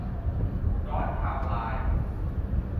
ย้อนไทม์ไลน์